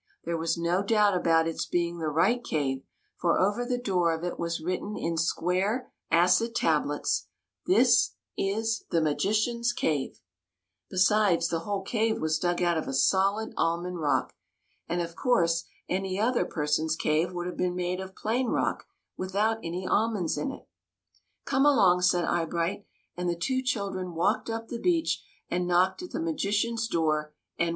There was no doubt about its being the right cave, for over the door of it was written in square acid tablets :" This is the magician's cave " Besides, the whole cave was dug out of a solid almond rock ; and of course, any other person's cave would have been made of plain rock without any almonds in it. " Come along," said Eyebright ; and the two children walked up the beach and knocked at the magician's door and went in.